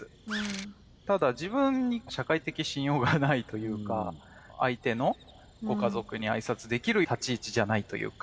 ただ自分に社会的信用がないというか相手のご家族に挨拶できる立ち位置じゃないというか。